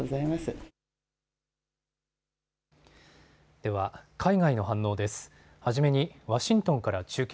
では、海外の反応です。